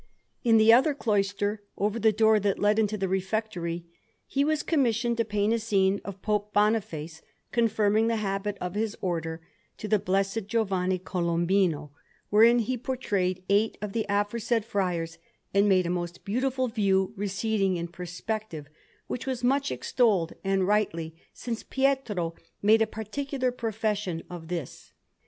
In the other cloister, over the door that led into the refectory, he was commissioned to paint a scene of Pope Boniface confirming the habit of his Order to the Blessed Giovanni Colombino, wherein he portrayed eight of the aforesaid friars, and made a most beautiful view receding in perspective, which was much extolled, and rightly, since Pietro made a particular profession of this.